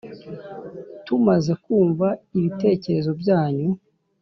Tumaze kumva ibitekerezo byanyu